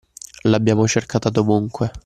L'abbiamo cercata dovunque.